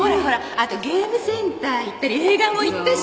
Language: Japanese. あとゲームセンター行ったり映画も行ったし。